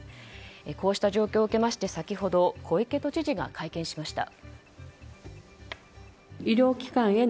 こうした状況を受けまして先ほど小池都知事が会見しました。